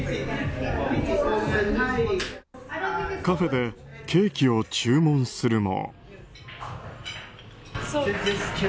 カフェでケーキを注文するも。